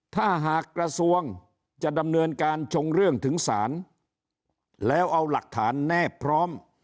ถ้าหากกระทรวงจะดำเนินการชงเรื่องถึงศาลแล้วเอาหลักฐานแนบพร้อม